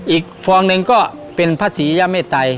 ฟองหนึ่งก็เป็นพระศรียาเมตัย